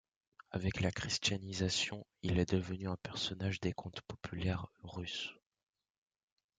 Avec la christianisation il est devenu un personnage des contes populaires russes.